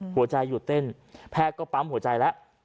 หัวใจหยุดเต้นแพทย์ก็ปั๊มหัวใจแล้ว